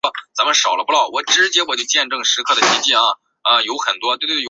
位于非洲尼罗河上游第五瀑布的努比亚也归附埃及。